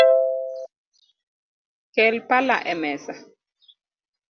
Kel pala emesa